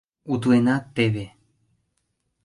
— Утленат теве...